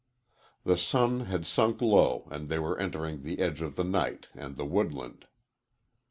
The sun had sunk low and they were entering the edge of the night and the woodland.